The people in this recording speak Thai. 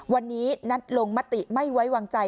วันนี้นัดลงมติไม่ไว้วางใจ